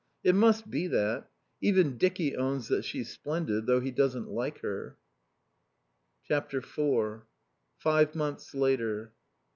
It must be that. Even Dicky owns that she's splendid, though he doesn't like her.... iv Five months later.